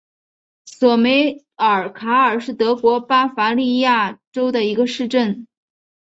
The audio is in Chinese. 索梅尔卡尔是德国巴伐利亚州的一个市镇。